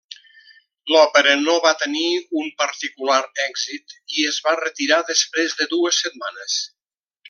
L'òpera no va tenir un particular èxit, i es va retirar després de dues setmanes.